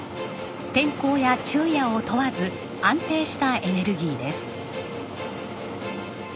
天候や昼夜を問わず安定したエネルギーです。